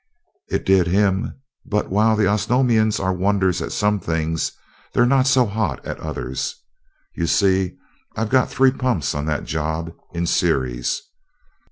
"It did him but while the Osnomians are wonders at some things, they're not so hot at others. You see, I've got three pumps on that job, in series.